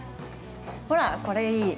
ほらこれいい。